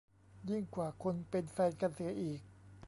ยิ่งกว่าคนเป็นแฟนกันเสียอีก